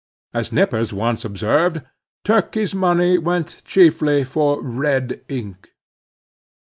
As Nippers once observed, Turkey's money went chiefly for red ink.